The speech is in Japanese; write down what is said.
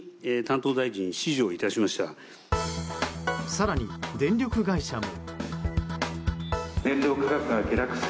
更に、電力会社も。